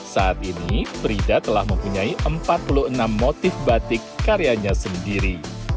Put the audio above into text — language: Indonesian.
saat ini frida telah mempunyai empat puluh enam motif batik karyanya sendiri